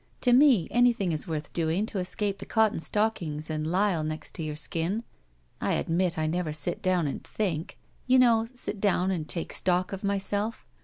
To me, anything is worth doing to escape the cotton stockings and lisle next to your skin. I admit I never sit down and think. You know, sit down and take stock of myself.